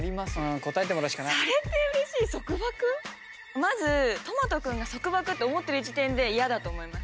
まずとまと君が束縛と思ってる時点で嫌だと思います。